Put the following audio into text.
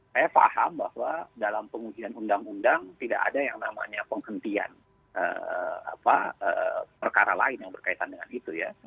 saya paham bahwa dalam pengujian undang undang tidak ada yang namanya penghentian perkara lain yang berkaitan dengan itu ya